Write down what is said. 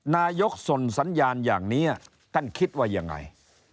นายกส่งสัญญาณอย่างนี้ท่านคิดว่ายังไง